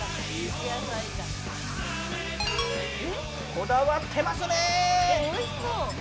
こだわってますね。